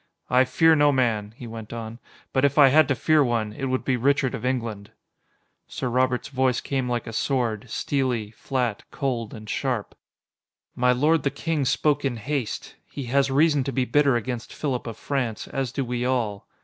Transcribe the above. "I fear no man," he went on, "but if I had to fear one, it would be Richard of England." Sir Robert's voice came like a sword: steely, flat, cold, and sharp. "My lord the King spoke in haste. He has reason to be bitter against Philip of France, as do we all.